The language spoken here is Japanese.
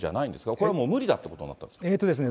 これはもう無理だということになったんですか。